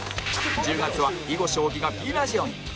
１０月は囲碁将棋が Ｐ ラジオに